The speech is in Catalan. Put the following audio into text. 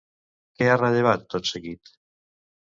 Què ha rellevat, tot seguit?